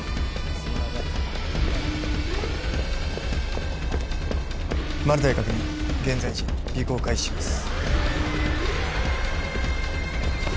すいませんマルタイ確認現在時尾行開始します